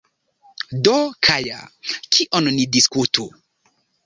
Do Kaja, kion ni diskutu?